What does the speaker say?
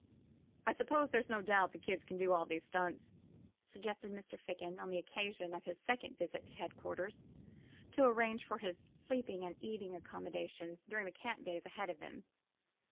"I s'pose there's no doubt the kids can do all these stunts?" suggested Mr. Ficken on the occasion of his second visit to headquarters, to arrange for his sleeping and eating accommodations during the camp days ahead of them.